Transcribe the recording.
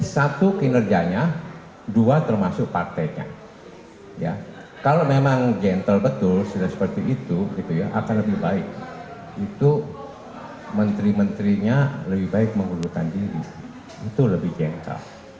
satu kinerjanya dua termasuk partainya kalau memang gentle betul akan lebih baik menteri menterinya lebih baik mengundurkan diri itu lebih gentle